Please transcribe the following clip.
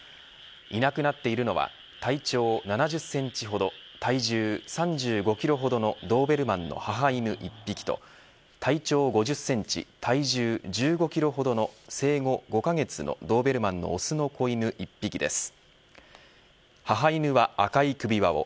いなくなっているのは体長７０センチほど体重３５キロほどのドーベルマンの母犬１匹と体長５０センチ体重１５キロほどの生後５カ月のドーベルマンのオスの子犬１匹です。